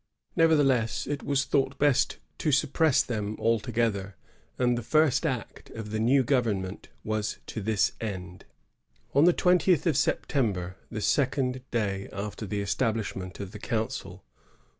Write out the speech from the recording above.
Nevertheless, it was thought best to suppress them altogether, and the first act of the new government was to this end. On the twentieth of September, the second day after the establishment of ,the council.